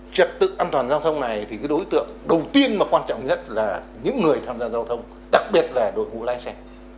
trật tự an toàn giao thông này thì cái đối tượng đầu tiên mà quan trọng nhất là những người tham gia giao thông đặc biệt là đội ngũ lái xe